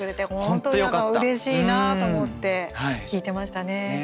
本当にうれしいなと思って聞いてましたね。